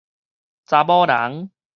查某人